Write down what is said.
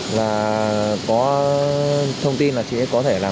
và có thông tin là chị mai đã gặp được chị mai